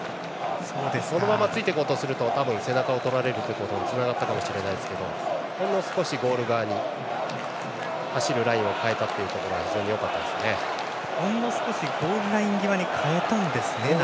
そのままついていこうとすると多分、背中をとられるところにつながったかもしれないですけどほんの少しボール側に走るラインを変えたのがほんの少しボールライン際に変えたんですね。